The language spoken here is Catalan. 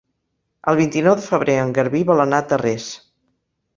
El vint-i-nou de febrer en Garbí vol anar a Tarrés.